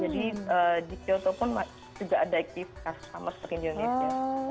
tapi di kyoto pun masih juga ada itikaf sama sering di indonesia